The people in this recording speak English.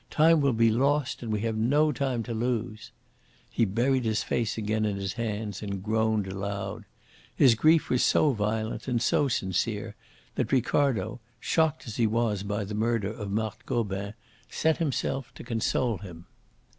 Time will be lost, and we have no time to lose." He buried his face again in his hands and groaned aloud. His grief was so violent and so sincere that Ricardo, shocked as he was by the murder of Marthe Gobin, set himself to console him.